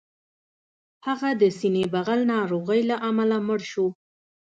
هغه د سینې بغل ناروغۍ له امله مړ شو